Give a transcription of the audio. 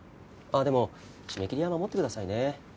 あっでも締め切りは守ってくださいね。